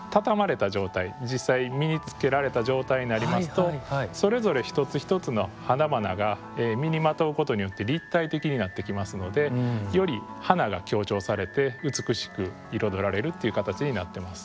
実際身につけられた状態になりますとそれぞれ一つ一つの花々が身にまとうことによって立体的になってきますのでより花が強調されて美しく彩られるという形になっています。